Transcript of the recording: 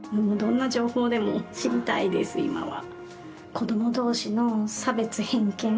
今は。